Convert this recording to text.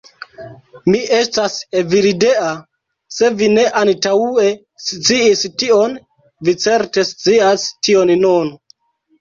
Mi estas Evildea. Se vi ne antaŭe sciis tion, vi certe scias tion nun.